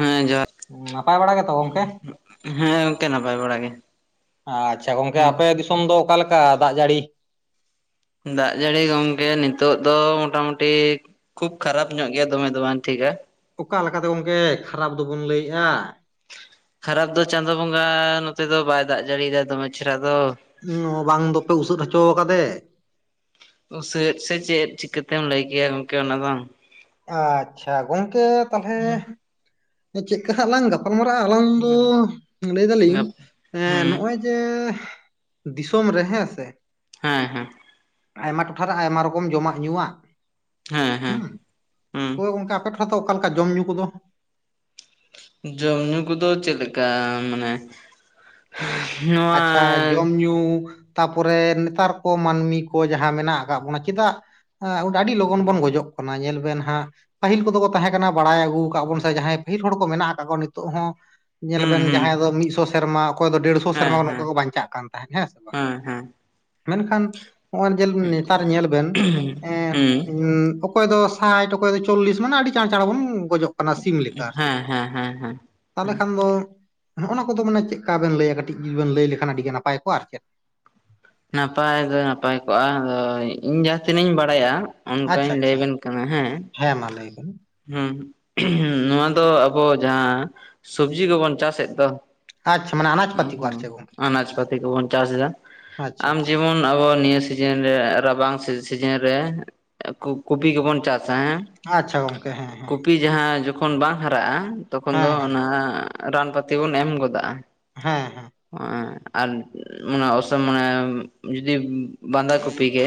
ᱦᱮᱸ ᱡᱚᱦᱟᱨ ᱱᱟᱯᱟᱭ ᱵᱟᱲᱟ ᱜᱮᱛᱚ ᱜᱚᱝᱠᱮ? ᱦᱮᱸ ᱜᱚᱝᱠᱮ ᱱᱟᱯᱟᱭ ᱵᱟᱲᱟ ᱜᱮᱼᱼ ᱟᱪᱪᱷᱟ ᱜᱚᱝᱠᱮ ᱟᱯᱮ ᱫᱤᱥᱚᱢ ᱫᱚ ᱚᱠᱟ ᱞᱮᱠᱟ ᱫᱟᱜ ᱡᱟᱹᱲᱤ ᱫᱟᱜ ᱡᱟᱹᱲᱤ ᱜᱚᱝᱠᱮ ᱱᱤᱛᱚᱜ ᱫᱚ ᱢᱚᱴᱟᱢᱩᱴᱤᱼᱼ ᱠᱷᱩᱵ ᱠᱷᱟᱨᱟᱯ ᱧᱚᱜ ᱜᱮᱭᱟ ᱫᱚᱢᱮ ᱫᱚ ᱵᱟᱝ ᱴᱷᱤᱠᱟᱼᱼ ᱚᱠᱟ ᱞᱮᱠᱟ ᱫᱚ ᱜᱚᱢᱠᱮ ᱠᱷᱟᱨᱟᱯ ᱫᱚ ᱵᱚᱱ ᱞᱟᱹᱭᱮᱜᱼᱟ ᱠᱷᱟᱨᱟᱯ ᱫᱚ ᱪᱟᱸᱫᱳ ᱵᱚᱸᱜᱟ ᱱᱚᱛᱮ ᱫᱚ ᱵᱟᱭ ᱫᱟᱜ ᱡᱟᱹᱲᱤᱭᱫᱟ ᱫᱚᱢᱮ ᱪᱮᱦᱨᱟ ᱫᱚᱼᱼ ᱵᱟᱝ ᱫᱚᱯᱮ ᱩᱥᱟᱹᱫ ᱦᱚᱪᱚᱣ ᱟᱠᱟᱫᱮ ᱩᱥᱟᱹᱫ ᱥᱮ ᱪᱮᱫ ᱪᱤᱠᱟᱹ ᱛᱮᱢ ᱞᱟᱹᱭ ᱠᱮᱭᱟ ᱜᱚᱢᱠᱮ ᱚᱱᱟ ᱫᱚᱼᱼ ᱟᱪᱪᱷᱟ ᱜᱚᱝᱠᱮ ᱛᱟᱦᱚᱞᱮ ᱪᱮᱫᱠᱟ ᱦᱟᱸᱜ ᱞᱟᱝ ᱜᱟᱯᱟᱼᱼ ᱜᱟᱞᱢᱟᱨᱟᱜ-ᱟ ᱟᱞᱟᱝ ᱫᱚ ᱞᱟᱹᱭ ᱫᱟᱞᱤᱧ ᱜᱟᱯ ᱦᱩᱸ ᱱᱚᱜᱼᱚᱭ ᱡᱮ ᱫᱤᱥᱚᱢ ᱨᱮ ᱦᱮᱸ ᱥᱮ ᱦᱮᱸ ᱦᱮᱸ ᱟᱭᱢᱟ ᱴᱚᱴᱷᱟ ᱨᱮ ᱟᱭᱢᱟ ᱨᱚᱠᱚᱢ ᱡᱚᱢᱟᱜ ᱧᱩᱣᱟᱜ ᱦᱮᱸ ᱦᱮᱸ ᱦᱩᱸ ᱳᱭ ᱜᱚᱝᱠᱮ ᱟᱯᱮ ᱴᱚᱴᱷᱟ ᱫᱚ ᱚᱠᱟ ᱞᱮᱠᱟ ᱡᱚᱢ ᱧᱩ ᱠᱚ ᱫᱚᱼᱼ ᱡᱚᱢ ᱧᱩ ᱠᱚᱫᱚ ᱪᱮᱫ ᱞᱮᱠᱟ ᱢᱟᱱᱮ ᱱᱚᱣᱟ ᱟᱪᱪᱷᱟ ᱡᱚᱢ ᱧᱩᱼᱼ ᱛᱟᱨᱯᱚᱨᱮ ᱱᱮᱛᱟᱨ ᱠᱚ ᱢᱟᱹᱱᱢᱤ ᱠᱚ ᱡᱟᱦᱟᱸᱭ ᱢᱮᱱᱟᱜ ᱟᱠᱟᱫ ᱵᱚᱱᱟ ᱪᱮᱫᱟᱜ? ᱦᱮᱸ ᱟᱹᱰᱤ ᱞᱚᱜᱚᱱ ᱵᱚᱱ ᱜᱚᱡᱚᱜ ᱠᱟᱱᱟ ᱧᱮᱞ ᱵᱮᱱ ᱦᱟᱸᱜ। ᱯᱟᱹᱦᱤᱞ ᱠᱚᱫᱚ ᱠᱚ ᱛᱟᱦᱮᱸ ᱠᱟᱱᱟ ᱵᱟᱲᱟᱭ ᱟᱹᱜᱩ ᱟᱠᱟᱫ ᱟᱵᱚᱱ ᱥᱮ ᱡᱟᱦᱟᱸᱭ ᱯᱟᱹᱦᱤᱞ ᱦᱚᱲ ᱠᱚ ᱢᱮᱱᱟᱜ ᱟᱠᱟᱫ ᱠᱚ ᱱᱤᱛᱚᱜ ᱦᱚᱸ। ᱧᱮᱞ ᱦᱩᱸ ᱵᱮᱱ ᱦᱩᱸ ᱡᱟᱦᱟᱸᱭ ᱫᱚ ᱢᱤᱫ ᱥᱚ ᱥᱮᱨᱢᱟ ᱚᱠᱚᱭ ᱫᱚ ᱰᱮᱲᱥᱚ ᱦᱮᱸ ᱥᱮᱨᱢᱟ ᱦᱮᱸ ᱫᱱᱚᱝᱠᱟ ᱠᱚ ᱵᱟᱧᱟᱜ ᱠᱟᱱ। ᱛᱟᱦᱮᱱ ᱦᱮᱸ ᱥᱮ ᱵᱟᱝ ᱢᱮᱱᱠᱷᱟᱱ ᱱᱚᱜᱼᱚᱭ ᱧᱮᱞ ᱵᱮᱱ ᱱᱮᱛᱟᱨ ᱧᱮᱞ ᱵᱮᱱ ᱦᱩᱸ [unintelligible] ᱚᱠᱚᱭ ᱫᱚ ᱥᱟᱴ ᱚᱠᱚᱭ ᱫᱚ ᱪᱚᱞᱞᱤᱥ ᱢᱟᱱᱮ ᱟᱹᱰᱤ ᱪᱟᱸᱬ ᱪᱟᱸᱬ ᱵᱚᱱ ᱜᱚᱡᱚᱜ ᱼᱼ ᱠᱟᱱᱟ ᱥᱤᱢ ᱞᱮᱠᱟ ᱦᱮᱸ ᱦᱮᱸ ᱦᱮᱸ ᱦᱮᱸ ᱛᱟᱦᱚᱞᱮ ᱦᱩᱸ ᱠᱷᱟᱱ ᱫᱚᱼᱼ ᱱᱚᱜᱼᱚᱱᱟ ᱠᱚᱫᱚ ᱢᱟᱱᱮ ᱪᱮᱫ ᱵᱮᱱ ᱞᱟᱹᱭᱟ ᱠᱟᱴᱤᱡ ᱡᱩᱫᱤ ᱵᱮᱱ ᱞᱟᱹᱭ ᱞᱮᱠᱷᱟᱡ ᱟᱹᱰᱤ ᱜᱮ ᱱᱟᱯᱟᱭ ᱠᱚᱜᱼᱟ ᱟᱨ ᱪᱮᱫ᱾ ᱱᱟᱯᱟᱭ ᱫᱚ ᱱᱟᱯᱟᱭ ᱠᱚᱜ-ᱟ ᱟᱫᱚ ᱤᱧ ᱡᱟᱦᱟᱸ ᱛᱤᱱᱟᱹᱜ ᱤᱧ ᱵᱟᱲᱟᱭᱟ᱾ ᱚᱱᱠᱟᱧ ᱟᱪᱪᱷᱟ ᱞᱟᱹᱭ ᱟᱪᱪᱷᱟ ᱟᱵᱮᱱ ᱠᱟᱱᱟ ᱦᱮᱸ᱾ ᱦᱮᱸ ᱢᱟ ᱞᱟᱹᱭ ᱵᱮᱱ᱾ ᱦᱮᱸ ᱱᱚᱣᱟ ᱫᱚ ᱟᱵᱚ ᱡᱟᱦᱟᱸ ᱥᱚᱵᱽᱡᱤ ᱠᱚᱵᱚᱱ ᱪᱟᱥᱮᱫ ᱫᱚ᱾ ᱟᱪᱪᱷᱟ ᱢᱟᱱᱮ ᱟᱱᱟᱡ ᱯᱟᱹᱛᱤ ᱠᱚ ᱟᱨ ᱪᱮᱫ ᱜᱚᱝᱠᱮ [unintelligible] ᱟᱱᱟᱡᱯᱟᱛᱤ ᱠᱚ ᱵᱚᱱ ᱪᱟᱥᱫᱟ ᱟᱪᱪᱷᱟ ᱟᱢ ᱡᱮ ᱟᱪᱪᱷᱟ ᱡᱮᱢᱚᱱ ᱟᱵᱚ ᱱᱤᱭᱟᱹ ᱥᱤᱡᱤᱱ ᱨᱮ ᱨᱟᱵᱟᱝ ᱥᱤ ᱥᱤᱡᱤᱱ ᱨᱮᱼᱼ ᱠᱩ ᱠᱩᱯᱤ ᱠᱚᱵᱚᱱ ᱪᱟᱥᱟ ᱦᱮᱸ᱾ ᱟᱪᱪᱷᱟ ᱜᱚᱝᱠᱮ ᱦᱮᱸ ᱦᱮᱸ᱾ ᱯᱤ ᱡᱟᱦᱟᱸ ᱡᱚᱠᱷᱚᱱ ᱵᱟᱝ ᱦᱟᱨᱟᱜ-ᱟ, ᱛᱚᱠᱷᱚᱱ ᱫᱚ ᱦᱮᱸ ᱚᱱᱟ ᱨᱟᱱ ᱯᱟᱹᱛᱤ ᱵᱚᱱ ᱮᱢ ᱜᱚᱫᱟᱜ-ᱟ᱾ ᱦᱮᱸᱦᱮᱸ ᱾ [unintelligible] ᱟᱨ ᱢᱟᱱᱮ ᱚᱥᱚᱢ ᱢᱟᱱᱮ ᱡᱩᱫᱤᱼᱼ ᱵᱟᱸᱫᱷᱟᱠᱩᱯᱤ ᱜᱮ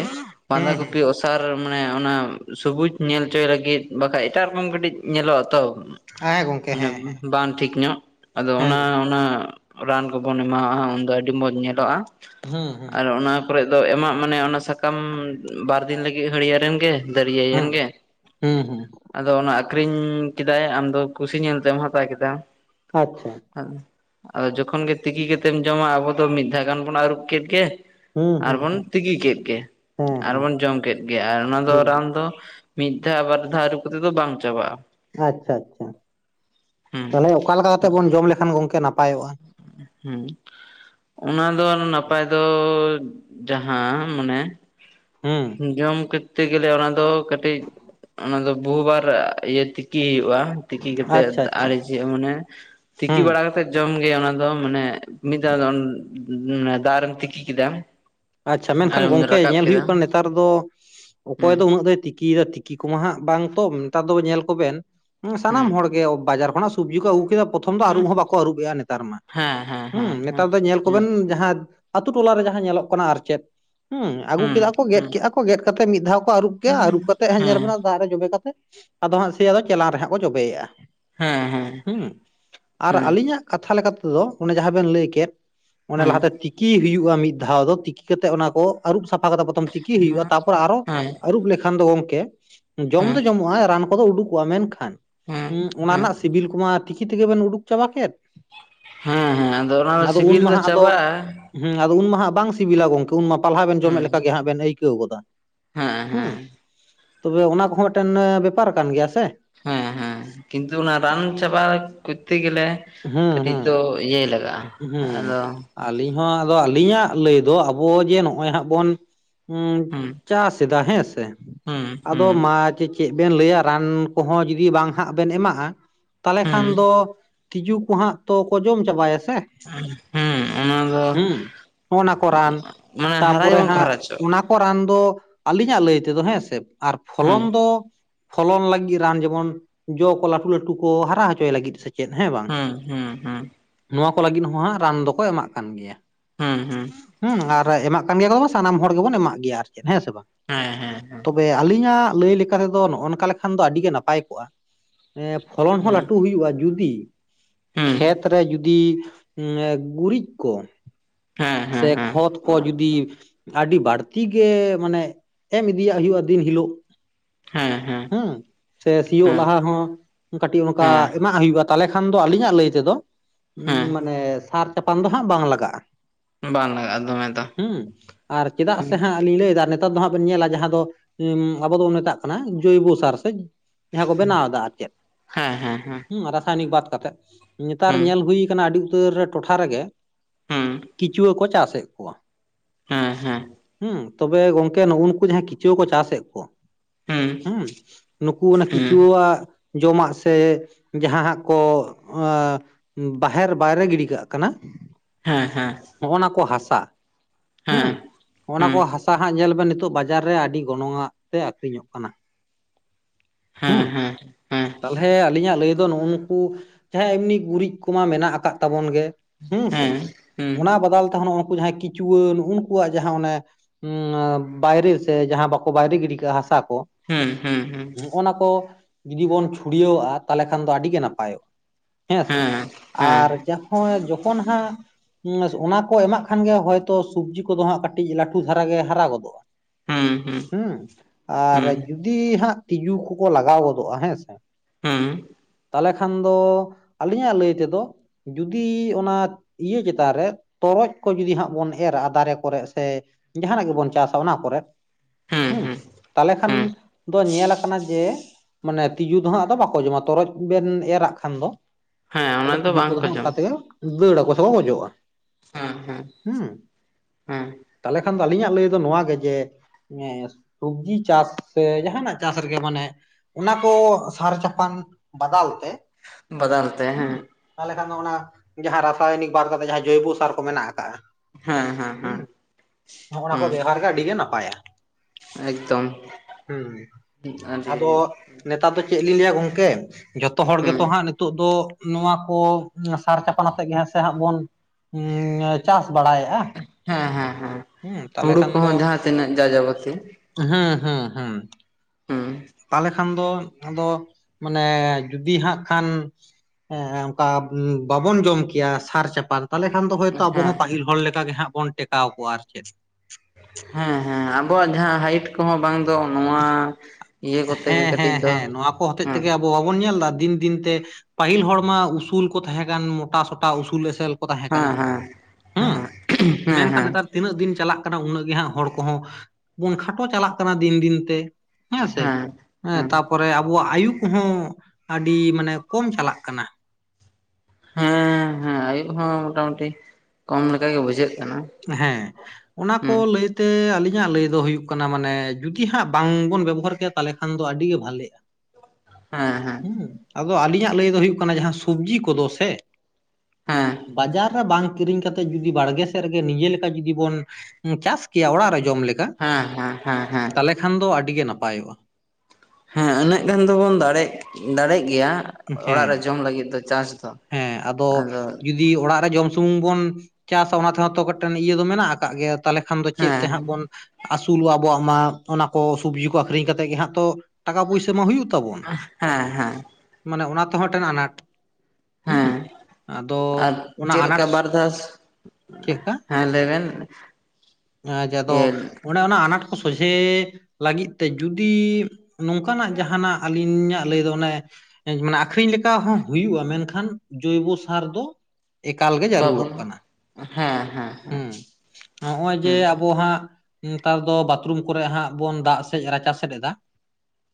ᱦᱮᱸ ᱦᱮᱸ ᱦᱮᱸ ᱦᱩᱸ ᱦᱩᱸ ᱵᱟᱸᱫᱷᱟᱠᱩᱯᱤ ᱚᱥ ᱥᱟᱨ ᱢᱟᱱᱮ ᱚᱱᱟ ᱥᱩᱵᱩᱡᱽ ᱧᱮᱞ ᱚᱪᱚᱭ ᱞᱟᱹᱜᱤᱫ ᱵᱟᱠᱷᱟᱡ ᱮᱴᱟᱜ ᱨᱚᱠᱚᱢ ᱠᱟᱹᱴᱤᱡ ᱧᱮᱞᱚᱜ-ᱟ ᱛᱚ᱾ ᱦᱮᱸ ᱜᱚᱝᱠᱮ ᱢᱟᱱᱮ ᱦᱮᱸ ᱦᱮᱸ ᱵᱟᱝ ᱴᱷᱤᱠ ᱧᱚᱜ ᱟᱫᱚ ᱦᱮᱸ ᱚᱱᱟ ᱜᱚᱝᱠᱮ, ᱚᱱᱟᱼᱼ ᱨᱟᱱ ᱠᱚᱵᱚᱱ ᱮᱢᱟᱣᱟᱜ-ᱟ ᱩᱱᱫᱚ ᱟᱹᱰᱤ ᱢᱚᱸᱡᱽ ᱧᱮᱞᱚᱜ-ᱟ, ᱦᱩᱸ ᱦᱩᱸ ᱟᱨ ᱚᱱᱟᱼᱼ ᱠᱚᱨᱮᱜ ᱫᱚ ᱮᱢᱟᱜ ᱢᱟᱱᱮ ᱚᱱᱟ ᱥᱟᱠᱟᱢ ᱵᱟᱨ ᱫᱤᱱ ᱞᱟᱹᱜᱤᱫ ᱦᱟᱹᱲᱭᱟᱹᱲ ᱮᱱ ᱜᱮ ᱫᱟᱹᱨᱭᱟᱹᱭ ᱦᱩᱸ ᱮᱱ ᱜᱮ᱾ ᱦᱩᱸ ᱦᱩᱸ᱾ ᱟᱫᱚ ᱚᱱᱟ ᱟᱠᱷᱨᱤᱧ ᱠᱮᱫᱟᱭ ᱟᱢᱫᱚ ᱠᱩᱥᱤ ᱧᱮᱞ ᱛᱮᱢ ᱦᱟᱛᱟᱣ ᱠᱮᱫᱟ᱾ ᱟᱪᱪᱷᱟ᱾ ᱟᱫᱚ ᱡᱚᱠᱷᱚᱱ ᱜᱮ ᱛᱤᱠᱤ ᱠᱟᱛᱮᱢ ᱡᱚᱢᱟ ᱟᱵᱚ ᱫᱚ ᱢᱤᱫ ᱫᱷᱟᱣ ᱜᱟᱱ ᱵᱚᱱ ᱟᱹᱨᱩᱵ ᱠᱮᱫ ᱜᱮ᱾ ᱦᱩᱸ ᱦᱩᱸ ᱟᱨᱵᱚᱱ ᱦᱩᱸ ᱛᱤᱠᱤ ᱠᱮᱫ ᱜᱮ ᱦᱮᱸ ᱦᱮᱸ ᱟᱨᱵᱚᱱ ᱡᱚᱢ ᱠᱮᱫ ᱜᱮ ᱟᱨ ᱚᱱᱟ ᱫᱚ ᱦᱩᱸ ᱨᱟᱱ ᱫᱚᱼᱼ ᱢᱤᱫ ᱫᱷᱟᱣ ᱵᱟᱨ ᱫᱷᱟᱣ ᱟᱨᱩᱵ ᱠᱟᱛᱮᱫ ᱫᱚ ᱵᱟᱝ ᱪᱟᱵᱟᱜ-ᱟ᱾ ᱟᱪᱪᱷᱟ ᱟᱪᱪᱷᱟ, ᱦᱩᱸ ᱛᱟᱦᱚᱞᱮ ᱚᱠᱟ ᱞᱮᱠᱟ ᱠᱟᱛᱮᱜ ᱵᱚᱱ ᱡᱚᱢ ᱞᱮᱠᱷᱟᱱ ᱜᱚᱝᱠᱮ ᱱᱟᱯᱟᱭᱚᱜ-ᱟ? ᱦᱮᱸ, ᱚᱱᱟ ᱫᱚ ᱱᱟᱯᱟᱭ ᱫᱚ ᱡᱟᱦᱟᱸ ᱢᱟᱱᱮ ᱦᱮᱸ। ᱡᱚᱢ ᱠᱚᱡᱽᱛᱮ ᱜᱮᱞᱮ ᱚᱱᱟ ᱫᱚ ᱠᱟᱹᱴᱤᱡ ᱚᱱᱟ ᱫᱚ ᱵᱩᱦᱩ ᱵᱟᱨ ᱤᱭᱟᱹ ᱛᱤᱠᱤ ᱦᱩᱭᱩᱜ-ᱟ। ᱛᱤᱠᱤ ᱠᱟᱛᱮᱫ ᱟᱪᱪᱷᱟ ᱟᱪᱪᱷᱟ ᱟᱨᱮᱡ ᱦᱩᱭᱩᱜ-ᱟ ᱢᱟᱱᱮ ᱛᱤᱠᱤ ᱦᱩᱸ ᱵᱟᱲᱟ ᱠᱟᱼᱼ ᱛᱮ ᱡᱚᱢ ᱜᱮ ᱚᱱᱟ ᱫᱚ ᱢᱟᱱᱮ ᱢᱤᱫ ᱫᱷᱟᱣ ᱫᱚ ᱢᱟᱱᱮ ᱫᱟᱜ ᱨᱮᱢ ᱛᱤᱠᱤ ᱠᱮᱫᱟ᱾ ᱟᱪᱪᱷᱟ ᱢᱮᱱᱠᱷᱟᱱ ᱟᱨᱮᱢ ᱜᱚᱝᱠᱮ ᱨᱟᱠᱟᱵ ᱧᱮᱞ ᱠᱮᱫᱟ ᱦᱩᱭᱩᱜ ᱠᱟᱱᱟ ᱱᱮᱛᱟᱨ ᱫᱚ ᱚᱠᱚᱭ ᱦᱩᱸ ᱫᱚ ᱩᱱᱟᱹᱜ ᱫᱚᱭ ᱛᱤᱠᱤ ᱭᱮᱫᱟ ᱛᱤᱠᱤ ᱠᱚᱢᱟ ᱦᱟᱜ ᱵᱟᱝ ᱛᱚ ᱱᱮᱛᱟᱨ ᱫᱚ ᱧᱮᱞ ᱠᱚᱵᱮᱱ ᱥᱟᱱᱟᱢ ᱦᱩᱸ ᱦᱚᱲ ᱜᱮ ᱵᱟᱡᱟᱨ ᱠᱷᱚᱱᱟᱜᱼᱼ ᱥᱚᱵᱽᱡᱤ ᱠᱚ ᱟᱹᱜᱩ ᱠᱮᱫᱟ᱾ ᱯᱨᱚᱛᱷᱚᱢ ᱫᱚ ᱦᱩᱸ ᱟᱹᱨᱩᱵ ᱦᱚᱸ ᱵᱟᱠᱚ ᱟᱹᱨᱩᱵᱮᱜ-ᱟ ᱱᱮᱛᱟᱨ ᱢᱟ ᱦᱮᱸ ᱱᱮᱛᱟᱨ ᱫᱚ ᱧᱮᱞ ᱠᱚᱵᱮᱱ ᱡᱟᱦᱟᱸᱼᱼ ᱟᱛᱩ ᱴᱚᱞᱟ ᱨᱮ ᱡᱟᱦᱟᱸ ᱧᱮᱞᱚᱜ ᱠᱟᱱᱟ ᱟᱨ ᱪᱮᱫ ᱦᱮᱸ ᱟᱹᱜᱩ ᱠᱮᱫᱟ ᱦᱩᱸ ᱠᱚ ᱜᱮᱫ ᱦᱩᱸ ᱠᱮᱫ-ᱟ ᱠᱚ ᱜᱮᱫ ᱠᱟᱛᱮ ᱢᱤᱫ ᱫᱷᱟᱣᱼᱼ ᱠᱚ ᱟᱹᱨᱩᱵ ᱠᱮᱜ-ᱟ ᱟᱹᱨᱩᱵ ᱠᱟᱛᱮᱫ ᱦᱟᱜ ᱦᱮᱸ ᱧᱮᱞ ᱵᱮᱱ ᱫᱟᱜ ᱨᱮ ᱡᱚᱵᱮ ᱠᱟᱛᱮᱫ ᱟᱫᱚ ᱦᱟᱸᱜ ᱥᱮᱭ ᱟᱫᱚ ᱪᱮᱞᱟᱝ ᱨᱮᱦᱟᱸᱜ ᱠᱚ ᱡᱚᱵᱮᱭᱮᱜ-ᱟ᱾ ᱦᱮᱸ ᱦᱮᱸ ᱦᱩᱸ ᱟᱨ ᱦᱩᱸ ᱟᱹᱞᱤᱧᱟᱜ ᱠᱟᱛᱷᱟ ᱞᱮᱠᱟᱛᱮᱫᱚ ᱚᱱᱮ ᱡᱟᱦᱟᱸ ᱵᱮᱱ ᱞᱟᱹᱭ ᱠᱮᱫ᱾ ᱚᱱᱮ ᱦᱩᱸ ᱦᱮᱸ ᱞᱟᱦᱟᱛᱮ ᱛᱤᱠᱤ ᱦᱩᱭᱩᱜ-ᱟ, ᱢᱤᱫ ᱫᱷᱟᱣ ᱫᱚ ᱛᱤᱠᱤ ᱠᱟᱛᱮᱜ ᱚᱱᱟ ᱠᱚ ᱟᱹᱨᱩᱵ ᱥᱟᱯᱷᱟ ᱠᱟᱛᱮ ᱯᱚᱛᱚᱢᱼᱼ ᱛᱤᱠᱤ ᱦᱩᱭᱩᱜ-ᱟ, ᱦᱮᱸ ᱦᱮᱸ ᱛᱟᱨᱯᱚᱨᱮ ᱟᱨᱚ ᱟᱹᱨᱩᱵ ᱞᱮᱠᱷᱟᱱ ᱫᱚ ᱜᱚᱢᱠᱮᱼᱼ ᱡᱚᱢ ᱦᱮᱸ ᱫᱚ ᱡᱚᱢᱚᱜ-ᱟ ᱨᱟᱱ ᱠᱚᱫᱚ ᱩᱰᱩᱠᱚᱜ-ᱟ ᱢᱮᱱᱠᱷᱟᱱ ᱦᱮᱸ ᱦᱩᱸ ᱚᱱᱟ ᱦᱮᱸ ᱨᱮᱱᱟᱜ ᱥᱤᱵᱤᱞ ᱠᱚᱢᱟᱼᱼ ᱛᱤᱠᱤ ᱛᱮᱜᱮ ᱵᱮᱱ ᱩᱰᱩᱠ ᱪᱟᱵᱟ ᱠᱮᱫ᱾ ᱦᱮᱸ ᱦᱮᱸ ᱟᱫᱚ ᱚᱱᱟ ᱫᱚ ᱩᱱ ᱥᱤᱵᱤᱞ ᱢᱟ ᱫᱚ ᱦᱟᱸᱜ ᱟᱫᱚ ᱪᱟᱵᱟᱜ-ᱟ᱾ ᱦᱩᱸ ᱟᱫᱚ ᱩᱱ ᱢᱟ ᱦᱟᱜ ᱵᱟᱝ ᱥᱤᱵᱤᱞᱟ ᱜᱚᱝᱠᱮ ᱩᱱ ᱢᱟ ᱯᱟᱞᱦᱟ ᱵᱮᱱ ᱡᱚᱢᱮᱫ ᱦᱩᱸ ᱞᱮᱠᱟᱜᱮ ᱦᱟᱸᱜ ᱵᱮᱱ ᱟᱹᱭᱠᱟᱹᱣ ᱜᱚᱫ-ᱟ ᱦᱮᱸ ᱦᱩᱸ ᱦᱮᱸ ᱛᱚᱵᱮ ᱚᱱᱟ ᱠᱚᱦᱚᱸ ᱢᱤᱫᱴᱮᱱ ᱵᱮᱯᱟᱨ ᱠᱟᱱ ᱜᱮᱭᱟ ᱥᱮ ᱦᱮᱸ ᱦᱮᱸ ᱠᱤᱱᱛᱩ ᱚᱱᱟ ᱨᱟᱱ ᱪᱟᱵᱟ ᱠᱚᱡᱽᱛᱮ ᱜᱮᱞᱮ ᱦᱩᱸ ᱠᱟᱹᱴᱤᱡ ᱦᱩᱸ ᱫᱚ ᱤᱭᱟᱹᱭ ᱞᱟᱜᱟᱜ-ᱟ ᱦᱩᱸ ᱟᱫᱚ ᱟᱹᱞᱤᱧ ᱦᱚᱸ ᱟᱫᱚ ᱟᱹᱞᱤᱧᱟᱜ ᱞᱟᱹᱭ ᱫᱚ ᱟᱵᱚ ᱡᱮ ᱱᱚᱜᱼᱚᱭ ᱦᱟᱸᱜ ᱵᱚᱱ ᱩᱸ ᱦᱩᱸ ᱪᱟᱥ ᱮᱫᱟ ᱦᱮᱸ ᱥᱮ ᱦᱩᱸ ᱟᱫᱚ ᱦᱩᱸ ᱢᱟᱪᱮ ᱪᱮᱜ ᱵᱮᱱ ᱞᱟᱹᱭᱟ ᱨᱟᱱ ᱠᱚᱦᱚᱸ ᱡᱩᱫᱤ ᱵᱟᱝ ᱦᱟᱸᱜ ᱵᱮᱱ ᱮᱢᱟᱜ-ᱟ ᱛᱟᱦᱚᱞᱮ ᱦᱩᱸ ᱠᱷᱟᱱ ᱫᱚ ᱛᱤᱡᱩ ᱠᱚᱦᱟᱸᱜ ᱛᱚ ᱠᱚ ᱡᱚᱢ ᱪᱟᱵᱟᱭᱟ ᱥᱮ ᱦᱩᱸ ᱚᱱᱟ ᱫᱚ ᱦᱩᱸ ᱦᱚᱸᱜᱚᱱᱟ ᱠᱷᱟᱱ ᱢᱟᱱᱮ ᱦᱟᱨᱟ ᱛᱟᱯᱚᱨᱮ ᱡᱮᱢᱚᱱ ᱠᱚ ᱦᱟᱸᱜ ᱦᱟᱨᱟ ᱦᱚᱪᱚᱜ ᱚᱱᱟᱛ ᱠᱚ ᱨᱟᱱ ᱫᱚ ᱟᱹᱞᱤᱧᱟᱜ ᱞᱟᱹᱭ ᱛᱮᱫᱚ ᱦᱮᱸ ᱥᱮ ᱟᱨ ᱯᱷᱚᱞᱚᱱ ᱦᱩᱸ ᱫᱚ ᱯᱷᱚᱞᱚᱱ ᱞᱟᱹᱜᱤᱫ ᱨᱟᱱ ᱡᱮᱢᱚᱱ ᱡᱚ ᱠᱚ ᱞᱟᱹᱴᱩ ᱞᱟᱹᱴᱩ ᱠᱚ ᱦᱟᱨᱟ ᱦᱚᱪᱚᱭ ᱞᱟᱹᱜᱤᱫ ᱥᱮ ᱪᱮᱫ ᱦᱮᱸ ᱵᱟᱝ ᱦᱩᱸ ᱦᱩᱸ ᱦᱩᱸ ᱱᱚᱣᱟ ᱠᱚ ᱞᱟᱹᱜᱤᱫ ᱦᱚᱸ ᱦᱟᱸᱜ ᱨᱟᱱ ᱫᱚᱠᱚ ᱮᱢᱟᱜ ᱠᱟᱱ ᱜᱮᱭᱟ ᱦᱩᱸ ᱦᱩᱸ ᱦᱩᱸ ᱟᱨ ᱮᱢᱟᱜ ᱠᱟᱱ ᱜᱮᱭᱟ ᱠᱚ ᱟᱨ ᱥᱟᱱᱟᱢ ᱦᱚᱲ ᱜᱮᱵᱚᱱ ᱮᱢᱟᱜ ᱜᱮᱭᱟ ᱟᱨ ᱪᱮᱫ ᱦᱮᱸ ᱥᱮ ᱵᱟᱝ ᱦᱮᱸ ᱦᱮᱸ ᱦᱮᱸ ᱛᱚᱵᱮ ᱟᱹᱞᱤᱧᱟᱜ ᱞᱟᱹᱭ ᱞᱮᱠᱟᱛᱮᱫᱚ ᱱᱚᱜᱚ ᱱᱚᱝᱠᱟ ᱞᱮᱠᱷᱟᱱ ᱫᱚ ᱟᱹᱰᱤ ᱜᱮ ᱱᱟᱯᱟᱭ ᱠᱚᱜᱼᱟ᱾ ᱮ ᱯᱷᱚᱞᱚᱱ ᱦᱚᱸ ᱦᱩᱸ ᱞᱟᱹᱴᱩ ᱦᱩᱭᱩᱜᱼᱟ ᱡᱩᱫᱤ ᱦᱩᱸ ᱠᱷᱮᱛ ᱨᱮ ᱡᱩᱫᱤ ᱜᱩᱨᱤᱡ ᱠᱚ ᱦᱮᱸ ᱛᱮ ᱦᱮᱸ ᱦᱮᱸ ᱠᱷᱚᱛ ᱠᱚ ᱡᱩᱫᱤ ᱟᱹᱰᱤ ᱵᱟᱹᱲᱛᱤ ᱜᱮ ᱢᱟᱱᱮ ᱮᱢ ᱤᱫᱤᱭᱟᱜ ᱦᱩᱭᱩᱜᱼᱟ ᱫᱤᱱ ᱦᱤᱞᱳᱜ ᱦᱮᱸ ᱥᱮ ᱥᱤᱭᱳᱜ ᱦᱮᱸ ᱞᱟᱦᱟ ᱦᱚᱸ ᱠᱟᱹᱴᱤᱡ ᱚᱱᱠᱟ ᱦᱮᱸ ᱮᱢᱟᱜ ᱦᱩᱭᱩᱜᱼᱟ ᱛᱟᱦᱚᱞᱮ ᱠᱷᱟᱱ ᱫᱚ ᱟᱞᱤᱧᱟᱜ ᱞᱟᱹᱭ ᱛᱮᱫᱚ ᱦᱮᱸ ᱢᱟᱱᱮ ᱥᱟᱨ ᱪᱟᱯᱟᱱ ᱫᱚ ᱦᱟᱸᱜ ᱵᱟᱝ ᱞᱟᱜᱟᱜᱼᱟ᱾ ᱵᱟᱝ ᱞᱟᱜᱼᱟ ᱫᱚ ᱢᱮ ᱫᱚ ᱦᱩᱸ ᱟᱨ ᱪᱮᱫᱟᱜ ᱥᱮ ᱦᱟᱸᱜ ᱞᱤᱧ ᱞᱟᱹᱭᱫᱟ ᱱᱮᱛ ᱛᱟᱨ ᱫᱚᱦᱟᱜ ᱵᱮᱱ ᱧᱮᱞᱟ ᱡᱟᱦᱟᱸ ᱫᱚ ᱟᱵᱚ ᱵᱚᱱ ᱢᱮᱛᱟᱜ ᱠᱟᱱᱟ ᱡᱳᱚᱭᱵᱚ ᱥᱟᱨ ᱥᱮ ᱡᱟᱦᱟᱸ ᱠᱚ ᱵᱮᱱᱟᱣ ᱮᱫᱟ ᱟᱨ ᱪᱮᱫ ᱦᱮᱸ ᱦᱮᱸ ᱦᱮᱸ ᱦᱩᱸ ᱨᱟᱥᱟᱭᱱᱤᱠ ᱵᱟᱫ ᱠᱟᱛᱮᱜ ᱱᱮᱛᱟᱨ ᱦᱩᱸ ᱧᱮᱞ ᱦᱩᱭ ᱟᱠᱟᱱᱟ ᱟᱹᱰᱤ ᱩᱛᱟᱹᱨ ᱴᱚᱴᱷᱟ ᱨᱮᱜᱮ ᱦᱩᱸ ᱠᱤᱪᱩᱣᱟᱹ ᱠᱚ ᱪᱟᱥᱮᱫ ᱠᱚᱣᱟ ᱦᱮᱸ ᱦᱮᱸ ᱦᱩᱸ ᱛᱚᱵᱮ ᱜᱚᱝᱠᱮ ᱱᱩᱜᱩᱱᱩᱠᱩ ᱡᱟᱦᱟᱸᱭ ᱠᱤᱪᱩᱣᱟᱹ ᱠᱚ ᱪᱟᱥᱮᱫ ᱠᱚ ᱦᱩᱸ ᱱᱩᱠᱩ ᱚᱱᱟ ᱦᱩᱸ ᱠᱤᱪᱷᱩᱣᱟᱹᱜ ᱡᱚᱢᱟᱜ ᱥᱮ ᱡᱟᱦᱟᱸᱟᱜ ᱠᱚ ᱮ ᱵᱟᱦᱮᱨ ᱵᱟᱭᱨᱮ ᱜᱤᱰᱤ ᱠᱟᱜ ᱠᱟᱱᱟ ᱦᱮᱸ ᱦᱮᱸ ᱦᱚᱹᱜᱚᱱᱟ ᱠᱚ ᱦᱟᱥᱟ ᱦᱮᱸ ᱦᱩᱸ ᱦᱚᱜᱚᱱᱟ ᱦᱩᱸ ᱠᱚ ᱦᱟᱥᱟ ᱦᱟᱸᱜ ᱧᱮᱞ ᱵᱮᱱ ᱱᱤᱛᱚᱜ ᱵᱟᱡᱟᱨ ᱨᱮ ᱟᱹᱰᱤ ᱜᱚᱱᱚᱝ ᱟᱜ ᱛᱮ ᱟᱹᱠᱷᱨᱤᱧᱚᱜ ᱠᱟᱱᱟ ᱦᱮᱸ ᱦᱩᱸ ᱦᱮᱸ ᱦᱮᱸ ᱦᱮᱸ ᱛᱟᱦᱚᱞᱮ ᱟᱞᱤᱧᱟᱜ ᱞᱟᱹᱭ ᱫᱚ ᱱᱩᱜᱩ ᱠᱩ ᱡᱟᱦᱟᱸ ᱮᱢᱱᱤ ᱜᱩᱨᱤᱡ ᱠᱚᱢᱟ ᱢᱮᱱᱟᱜ ᱟᱠᱟᱫ ᱛᱟᱵᱚᱱ ᱜᱮ ᱦᱩᱸ ᱥᱮ ᱦᱩᱸ ᱚᱱᱟ ᱵᱟᱫᱟᱞ ᱛᱮᱦᱚ ᱱᱩᱜᱩ ᱱᱩᱠᱩ ᱡᱟᱦᱟᱸᱭ ᱠᱤᱪᱩᱣᱟᱹ ᱱᱩᱜᱩ ᱱᱩᱠᱩᱣᱟᱜ ᱡᱟᱦᱟᱸ ᱚᱱᱮ ᱵᱟᱭᱨᱮ ᱥᱮ ᱡᱟᱦᱟᱸ ᱵᱟᱠᱚ ᱵᱟᱭᱨᱮ ᱜᱤᱰᱤ ᱠᱟᱜᱼᱟ ᱦᱟᱥᱟ ᱠᱚ ᱦᱩᱸ ᱦᱩᱸ ᱦᱩᱸ ᱦᱚᱜᱚᱱᱟ ᱠᱚ ᱡᱩᱫᱤ ᱵᱚᱱ ᱪᱷᱩᱲᱭᱟᱹᱣᱟᱜᱼᱟ ᱛᱟᱦᱚᱞᱮ ᱠᱷᱟᱱ ᱫᱚ ᱟᱹᱰᱤ ᱜᱮ ᱱᱟᱯᱟᱭᱚᱜ ᱦᱮᱸ ᱥᱮ ᱦᱮᱸ ᱟᱨ ᱦᱮᱸ ᱡᱟᱦᱟ ᱡᱚᱠᱷᱚᱱ ᱦᱟᱸᱜ ᱚᱱᱟ ᱠᱚ ᱮᱢᱟᱜ ᱠᱷᱟᱱ ᱜᱮ ᱦᱚᱭᱛᱚ ᱥᱚᱵᱽᱡᱤ ᱠᱚᱫᱚ ᱦᱟᱸᱜ ᱠᱟᱹᱴᱤᱡ ᱞᱟᱹᱴᱩ ᱫᱷᱟᱨᱟ ᱜᱮ ᱦᱟᱨᱟ ᱜᱚᱫᱚᱜᱼᱟ ᱦᱩᱸ ᱦᱩᱸ ᱦᱩᱸ ᱟᱨ ᱡᱩᱫᱤ ᱦᱟᱸᱜ ᱛᱤᱡᱩ ᱠᱚᱠᱚ ᱞᱟᱜᱟᱣ ᱜᱚᱫᱚᱜᱼᱟ ᱦᱮᱸᱥᱮ ᱦᱩᱸ ᱛᱟᱦᱚᱞᱮ ᱠᱷᱟᱱ ᱫᱚ ᱟᱹᱞᱤᱧᱟᱜ ᱞᱟᱹᱭ ᱛᱮᱫᱚ ᱡᱩᱫᱤ ᱚᱱᱟ ᱤᱭᱟᱹ ᱪᱮᱛᱟ [unintelligible] ᱛᱚᱨᱚᱡ ᱠᱚ ᱡᱩᱫᱤ ᱦᱟᱸᱜ ᱵᱚᱱ ᱮᱨᱟ ᱫᱟᱨᱮ ᱠᱚᱨᱮᱜ ᱥᱮ ᱡᱟᱦᱟᱱᱟᱜ ᱜᱮᱵᱚᱱ ᱪᱟᱥᱟ ᱚᱱᱟ ᱠᱚᱨᱮᱜ ᱦᱮᱸ ᱦᱩᱸ ᱛᱟᱦᱞᱮ ᱠᱷᱟᱱ ᱦᱩᱸ ᱫᱚ ᱧᱮᱞ ᱟᱠᱟᱱᱟ ᱡᱮ ᱢᱟᱱᱮ ᱛᱤᱡᱩ ᱫᱚᱦᱸᱟᱜ ᱫᱚ ᱵᱟᱠᱚ ᱡᱚᱢᱟ, ᱛᱚᱨᱚᱡ ᱵᱮᱱ ᱮᱨᱟᱜ ᱠᱷᱟᱱ ᱫᱚ ᱾ ᱦᱮᱸ ᱚᱱᱟ ᱛᱟᱦᱚᱞᱮ ᱫᱚ ᱛᱤᱡᱩ ᱵᱟᱝ ᱠᱚᱫᱚ ᱠᱚ ᱦᱟᱸᱜ ᱡᱚᱢ ᱚᱱᱠᱟ ᱛᱮᱜᱮ ᱫᱟᱲ ᱟᱠᱚ ᱥᱮ ᱵᱟᱝ ᱜᱚᱡᱚᱜᱼᱟ ᱾ ᱦᱮᱸ ᱦᱮᱸ ᱾ ᱦᱮᱸ ᱛᱟᱦᱚᱞᱮ ᱠᱷᱟᱱ ᱫᱚ ᱟᱹᱞᱤᱧᱟᱜ ᱞᱟᱹᱭ ᱫᱚ ᱱᱚᱣᱟ ᱜᱮ ᱡᱮ ᱥᱚᱵᱽᱡᱤ ᱪᱟᱥ ᱥᱮ ᱡᱟᱦᱟᱱᱟᱜ ᱪᱟᱥ ᱨᱮᱜᱮ ᱢᱟᱱᱮ ᱚᱱᱟ ᱠᱚ ᱥᱟᱨ ᱪᱟᱯᱟᱱ ᱵᱟᱫᱟᱞ ᱛᱮ ᱵᱟᱫᱟᱞ ᱛᱮ ᱦᱩᱸ ᱦᱮᱸ ᱛᱟᱦᱚᱞᱮ ᱠᱷᱟᱱ ᱫᱚ ᱚᱱᱟ ᱡᱟᱦᱟᱸ ᱨᱟᱥᱟᱭᱚᱱᱤᱠ ᱵᱟᱨ ᱠᱟᱛᱮ ᱡᱟᱦᱟᱸ ᱡᱚᱭᱵᱚ ᱥᱟᱨ ᱠᱚ ᱢᱮᱱᱟᱜ ᱠᱟᱜᱼᱟ ᱦᱮᱸ ᱦᱮᱸ ᱦᱩᱸ ᱦᱮᱸ ᱦᱚᱸᱜ ᱱᱟᱠᱚ ᱦᱩᱸ ᱵᱮᱵᱦᱟᱨ ᱜᱮ ᱟᱹᱰᱤ ᱜᱮ ᱱᱟᱯᱟᱭᱟ ᱮᱠᱫᱚᱢ ᱾ ᱦᱩᱸ ᱟᱫᱚ ᱟᱹᱰᱤ ᱱᱮᱛᱟᱨ ᱫᱚ ᱪᱮᱫ ᱞᱤᱧ ᱞᱟᱹᱭᱟ ᱜᱚᱝᱠᱮ ᱡᱚᱛᱚ ᱦᱚᱲ ᱜᱮᱛᱚ ᱦᱩᱸ ᱦᱟᱸᱜ ᱱᱤᱛᱚᱜ ᱫᱚ ᱱᱚᱣᱟ ᱠᱚ ᱥᱟᱨ ᱪᱟᱯᱟᱱ ᱟᱛᱮᱜ ᱜᱮ ᱦᱮᱥᱮ ᱦᱟᱸᱜ ᱵᱚᱱ ᱪᱟᱥ ᱵᱟᱲᱟᱭᱮᱫᱼᱟ ᱾ ᱦᱮᱸ ᱦᱮᱸ ᱦᱮᱸ ᱦᱩᱲᱩ ᱠᱚᱦᱚᱸ ᱡᱟᱦᱟᱸ ᱛᱤᱱᱟᱹᱜ ᱡᱟ-ᱡᱟᱵᱚᱛᱤ ᱾ ᱦᱮᱸ ᱦᱩᱸ ᱦᱩᱸ ᱾ ᱦᱩᱸ ᱾ ᱛᱟᱦᱚᱞᱮ ᱠᱷᱟᱱ ᱫᱚ ᱟᱫᱚ ᱢᱟᱱᱮ ᱡᱩᱫᱤ ᱦᱟᱸᱜ ᱠᱷᱟᱱ ᱦᱮᱸ ᱚᱱᱠᱟ ᱵᱟᱵᱚᱱ ᱡᱚᱢ ᱠᱮᱭᱟ ᱥᱟᱨ ᱪᱟᱯᱟᱱ ᱾ ᱛᱟᱦᱚᱞᱮ ᱠᱷᱟᱱ ᱫᱚ ᱦᱚᱭ ᱛᱚ ᱟᱵᱚ ᱦᱮᱸ ᱦᱚᱸ ᱯᱟᱹᱦᱤᱞ ᱦᱚᱲ ᱞᱮᱠᱟᱜᱮ ᱦᱟᱸᱜ ᱵᱚᱱ ᱴᱮᱠᱟᱣ ᱠᱚᱣᱟ ᱟᱨ ᱪᱮᱫ ᱾ ᱦᱮᱸ ᱦᱮᱸ ᱟᱵᱚᱣᱟᱜ ᱡᱟᱦᱟᱸ ᱦᱟᱭᱤᱴ ᱠᱚᱦᱚᱸ ᱵᱟᱝ ᱫᱚ ᱱᱚᱣᱟ ᱤᱭᱟᱹ ᱠᱚᱛᱮ ᱜᱮ ᱦᱮᱸ ᱦᱮᱸ ᱠᱟᱹᱴᱤᱡ ᱫᱚ ᱦᱮᱸ ᱱᱚᱶᱟ ᱠᱚ ᱦᱚᱛᱮᱡ ᱦᱮᱸ ᱛᱮᱜᱮ ᱟᱵᱚ ᱵᱟᱵᱚᱱ ᱧᱮᱞ ᱮᱫᱟ ᱫᱤᱱ ᱫᱤᱱ ᱛᱮ ᱯᱟᱹᱦᱤᱞ ᱦᱚᱲ ᱢᱟ ᱩᱥᱩᱞ ᱠᱚ ᱛᱟᱦᱮᱸ ᱠᱟᱱ ᱢᱚᱴᱟ-ᱥᱚᱴᱟ ᱩᱥᱩᱞ-ᱮᱥᱮᱞ ᱛᱟᱦᱮᱸ ᱦᱮᱸ ᱠᱟᱱᱟ ᱦᱮᱸ ᱾ ᱦᱩᱸ ᱦᱮᱸ ᱦᱮᱸ ᱦᱮᱸ ᱢᱮᱱᱠᱷᱟᱱ ᱦᱮᱸ ᱱᱮᱛᱟᱨ ᱛᱤᱱᱟᱹᱜ ᱫᱤᱱ ᱪᱟᱞᱟᱜ ᱠᱟᱱᱟ ᱩᱱᱟᱹᱜ ᱜᱮ ᱦᱟᱸᱜ ᱦᱚᱲ ᱠᱚᱦᱚᱸ ᱵᱚᱱ ᱠᱷᱟᱴᱚ ᱪᱟᱞᱟᱜ ᱠᱟᱱᱟ ᱫᱤᱱ ᱫᱤᱱ ᱛᱮ ᱾ ᱦᱮᱸ ᱾ ᱛᱟᱯᱚᱨᱮ ᱟᱵᱚᱣᱟᱜ ᱟᱭᱩ ᱠᱚᱦᱚᱸ ᱟᱹᱰᱤ ᱢᱟᱱᱮ ᱠᱚᱢ ᱪᱟᱞᱟᱜ ᱠᱟᱱᱟ ᱾ ᱦᱮᱸ ᱦᱮᱸ ᱟᱭᱩ ᱦᱚᱸ ᱢᱚᱴᱟ ᱢᱩᱴᱤ ᱠᱚᱢ ᱞᱮᱠᱟ ᱜᱮ ᱵᱩᱡᱷᱟᱹᱜ ᱠᱟᱱᱟ ᱾ ᱦᱮᱸ ᱚᱱᱟ ᱠᱚ ᱞᱟᱹᱭ ᱛᱮ ᱟᱹᱞᱤᱧᱟᱜ ᱞᱟᱹᱭ ᱫᱚ ᱦᱩᱭᱩᱜ ᱠᱟᱱᱟ ᱢᱟᱱᱮ ᱡᱩᱫᱤ ᱦᱟᱸᱜ ᱵᱟᱝ ᱵᱚᱱ ᱵᱮᱵᱚᱦᱟᱨ ᱠᱮᱭᱟ ᱛᱟᱦᱚᱞᱮ ᱠᱷᱟᱱ ᱫᱚ ᱟᱹᱰᱤ ᱜᱮ ᱵᱷᱟᱞᱮᱜᱼᱟ ᱾ [inaudible] ᱦᱮᱸ ᱦᱮᱸ ᱾ ᱦᱩᱸ ᱟᱫᱚ ᱟᱹᱞᱤᱧᱟᱜ ᱞᱟᱹᱭ ᱫᱚ ᱦᱩᱭᱩᱜ ᱠᱟᱱᱟ ᱡᱟᱦᱟᱸ ᱥᱚᱵᱡᱤ ᱠᱚᱫᱚ ᱥᱮ ᱦᱮᱸ ᱾ ᱵᱟᱡᱟᱨ ᱨᱮ ᱵᱟᱝ ᱠᱤᱨᱤᱧ ᱠᱟᱛᱮᱜ ᱡᱚᱫᱤ ᱵᱟᱲᱜᱮ ᱥᱮ ᱨᱮᱜᱮ ᱱᱤᱡᱮ ᱞᱮᱠᱟ ᱡᱩᱚᱫᱤ ᱵᱚᱱ ᱪᱟᱥ ᱠᱮᱭᱟ ᱚᱲᱟᱜ ᱨᱮ ᱡᱚᱢ ᱞᱮᱠᱟ ᱦᱮᱸ ᱦᱮᱸ ᱦᱮᱸ ᱦᱮᱸ ᱛᱟᱦᱚᱞᱮ ᱠᱷᱟᱱ ᱫᱚ ᱟᱹᱰᱤ ᱜᱮ ᱱᱟᱯᱟᱭᱚᱜᱼᱟ ᱾ ᱦᱮᱸ ᱤᱱᱟᱹᱜ ᱜᱟᱱ ᱫᱚᱵᱚᱱ ᱫᱟᱲᱮᱜ ᱫᱟᱲᱮᱜ ᱜᱮᱭᱟ ᱾ ᱚᱲᱟᱜ ᱨᱮ ᱦᱮᱸ ᱡᱚᱢ ᱞᱟᱹᱜᱤᱫ ᱫᱚ ᱪᱟᱥ ᱫᱚ, ᱟᱫᱚ ᱡᱩᱫᱤ ᱚᱲᱟᱜ ᱨᱮ ᱡᱚᱢ ᱥᱩᱢᱩᱝ ᱵᱚᱱ ᱪᱟᱥᱟ ᱚᱱᱟ ᱛᱮᱦᱚᱸ ᱛᱚ ᱢᱤᱴᱟᱱ ᱤᱭᱟᱹ ᱫᱚ ᱢᱮᱱᱟᱜ ᱟᱠᱟ ᱜᱮᱭᱟ᱾ ᱛᱟᱦᱚᱞᱮ ᱠᱷᱟᱱ ᱫᱚ ᱪᱮᱫ ᱛᱮᱦᱟᱸᱜ ᱦᱮᱸ ᱵᱚᱱ ᱟᱹᱥᱩᱞᱚᱜ-ᱟ ᱟᱵᱚᱣᱟᱜ ᱢᱟ ᱚᱱᱟ ᱠᱚ ᱥᱚᱵᱡᱤ ᱠᱚ ᱟᱹᱠᱷᱨᱤᱧ ᱠᱟᱛᱮᱫ ᱜᱮ ᱦᱟᱸᱜ ᱛᱚ ᱴᱟᱠᱟ ᱯᱚᱭᱥᱟ ᱢᱟ ᱦᱩᱭᱩᱜ ᱛᱟᱵᱚᱱᱟ ᱾ ᱦᱮᱸ ᱦᱮᱸ ᱾ ᱢᱟᱱᱮ ᱚᱱᱟ ᱛᱮᱦᱚᱸ ᱢᱤᱴᱮᱱ ᱟᱱᱟᱴ ᱾ ᱦᱩᱸ ᱦᱮᱸ ᱟᱫᱚ ᱟᱨ ᱚᱱᱟ ᱪᱮᱫ ᱟᱱᱟᱴ ᱞᱮᱠᱟ ᱵᱟᱨ ᱫᱷᱟᱣ ᱪᱮᱫ-ᱠᱟ? ᱦᱮᱸ ᱞᱟᱹᱭ ᱵᱮᱱ ᱦᱮᱸ ᱡᱮ ᱟᱫᱚ ᱤᱭᱟᱹ ᱚᱱᱮ ᱚᱱᱟ ᱟᱱᱟᱴ ᱠᱚ ᱥᱚᱡᱷᱮ ᱞᱟᱹᱜᱤᱫ ᱛᱮ ᱡᱩᱫᱤ ᱱᱚᱝᱠᱟᱱᱟᱜ ᱡᱟᱦᱟᱱᱟᱜ ᱟᱹᱞᱤᱧᱟᱜ ᱞᱟᱹᱭ ᱫᱚ ᱚᱱᱮ ᱢᱟᱱᱮ ᱟᱠᱷᱨᱤᱧ ᱞᱮᱠᱟ ᱦᱚᱸ ᱦᱩᱭᱩᱜᱼᱟ ᱢᱮᱱᱠᱷᱟᱱ ᱡᱚᱭᱵᱚ ᱥᱟᱨ ᱫᱚ ᱮᱠᱟᱞ ᱜᱮ ᱡᱟᱹᱨᱩᱲᱚᱜ ᱵᱟᱵᱚᱱ ᱠᱟᱱᱟ ᱦᱮᱸ ᱦᱮᱸ ᱾ ᱦᱮᱸ ᱦᱩᱸ ᱱᱚᱜᱼᱚᱭ ᱡᱮ ᱦᱩᱸ ᱟᱵᱚ ᱦᱟᱸᱜ ᱱᱮᱛᱟᱨ ᱫᱚ ᱵᱟᱛᱨᱩᱢ ᱠᱚᱨᱮ ᱦᱟᱸᱜ ᱵᱚᱱ ᱫᱟᱜ ᱥᱮᱫ ᱨᱟᱪᱟ ᱥᱮᱫ ᱮᱫᱟ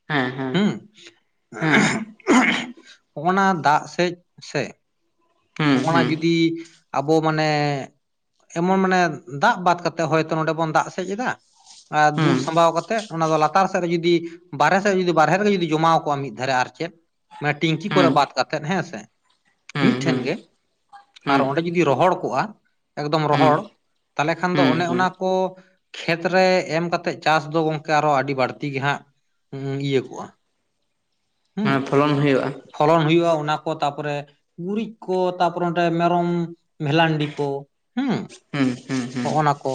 ᱦᱮᱸ ᱦᱮᱸ ᱦᱮᱸ ᱦᱚᱸᱜᱱᱟ ᱫᱟᱜᱽ ᱥᱮᱡ ᱥᱮ ᱦᱩᱸ ᱦᱚᱸᱜᱱᱟ ᱦᱩᱸ ᱡᱩᱫᱤ ᱟᱵᱚ ᱢᱟᱱᱮ ᱮᱢᱚᱱ ᱢᱟᱱᱮ ᱫᱟᱜᱽ ᱵᱟᱫ ᱠᱟᱛᱮᱫ ᱦᱚᱭᱛᱚ ᱱᱚᱰᱮ ᱵᱚᱱ ᱫᱟᱜᱽ ᱥᱮᱡ ᱮᱫᱟ ᱟᱨ ᱦᱩᱸ ᱫᱩᱞ ᱥᱟᱢᱵᱟᱣ ᱠᱟᱛᱮᱜ ᱚᱱᱟ ᱫᱚ ᱞᱟᱛᱟᱨ ᱥᱮᱫ ᱨᱮ ᱡᱩᱫᱤ ᱵᱟᱨᱦᱮ ᱥᱮᱫ ᱨᱮ ᱡᱩᱫᱤ ᱵᱟᱦᱨᱮ ᱨᱮᱜᱮ ᱡᱩᱫᱤ ᱡᱚᱢᱟᱣ ᱠᱚᱜ-ᱟ ᱢᱤᱫ ᱫᱷᱟᱨᱮ ᱟᱨ ᱪᱮᱫ ᱢᱟᱱᱮ ᱴᱤᱝᱠᱤ ᱠᱚᱨᱮ ᱦᱩᱸ ᱵᱟᱫ ᱠᱟᱛᱮᱫ ᱦᱮᱸ ᱥᱮ ᱦᱩᱸ ᱦᱩᱸ ᱢᱤᱫᱴᱷᱮᱱ ᱦᱩᱸ ᱜᱮ, ᱟᱨ ᱚᱸᱰᱮ ᱡᱩᱫᱤ ᱨᱚᱦᱚᱲ ᱠᱚᱜ-ᱟ ᱮᱠᱫᱚᱢ ᱨᱚᱦᱚᱲ ᱛᱟᱦᱞᱮ ᱠᱷᱟᱱ ᱦᱩᱸ ᱫᱚ ᱦᱩᱸ ᱚᱱᱮ ᱦᱩᱸ ᱚᱱᱟ ᱠᱚ ᱠᱷᱮᱛᱨᱮ ᱮᱢ ᱠᱟᱛᱮᱜ ᱪᱟᱥ ᱫᱚ ᱜᱚᱝᱠᱮ ᱟᱨᱚ ᱟᱹᱰᱤ ᱵᱟᱹᱲᱛᱤ ᱜᱮ ᱦᱟᱸᱜ ᱤᱭᱟᱹ ᱠᱚᱜ-ᱟ᱾ ᱦᱮ ᱯᱷᱚᱞᱚᱱ ᱦᱩᱭᱩᱜ-ᱟ᱾ ᱯᱷᱚᱞᱚᱱ ᱦᱩᱭᱩᱜ-ᱟ ᱚᱱᱟ ᱠᱚ ᱛᱟᱯᱚᱨᱮ ᱜᱩᱨᱤᱡ ᱠᱚ ᱛᱟᱯᱚᱨᱮ ᱚᱸᱰᱮ ᱢᱮᱨᱚᱢ ᱵᱷᱮᱞᱟᱱᱰᱤ ᱠᱚ ᱦᱩᱸ ᱦᱩᱸ ᱦᱩᱸ ᱦᱩᱸ ᱦᱚᱜ-ᱚ ᱱᱟ ᱠᱚ